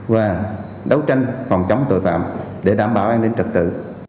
và đấu tranh phòng chống tội phạm để đảm bảo an ninh trật tự